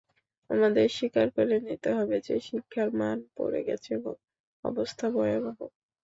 আমাদের স্বীকার করে নিতে হবে যে, শিক্ষার মান পড়ে গেছে এবং অবস্থা ভয়াবহ।